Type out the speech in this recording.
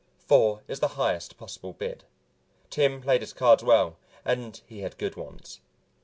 Four is the highest possible bid. Tim played his cards well and he had good ones.